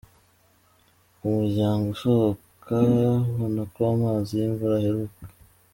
Ku muryango usohoka ubona ko amazi, y’imvura ahareka.